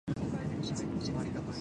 やまむらさき